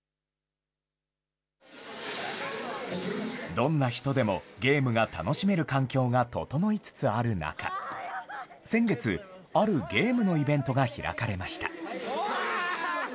どんな人でもゲームが楽しめる環境が整いつつある中、先月、あるゲームのイベントが開かれました。